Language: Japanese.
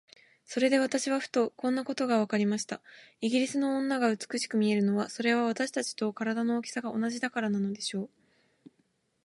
それで私はふと、こんなことがわかりました。イギリスの女が美しく見えるのは、それは私たちと身体の大きさが同じだからなのでしょう。